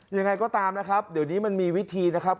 ยังไงก็ตามนะครับเดี๋ยวนี้มันมีวิธีนะครับ